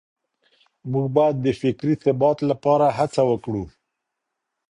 موږ بايد د فکري ثبات لپاره هڅه وکړو.